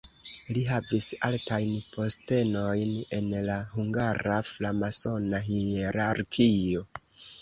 Li havis altajn postenojn en la hungara framasona hierarkio.